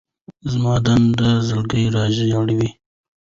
زما دننه زړګی ژاړي